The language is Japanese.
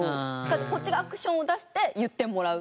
こっちがアクションを出して言ってもらう。